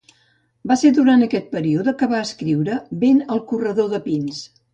Va ser durant aquest període que va escriure "Vent al corredor de pins".